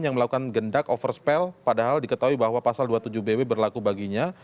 yang melakukan gendak overspel padahal diketahui bahwa pasal dua puluh tujuh bw berlaku baginya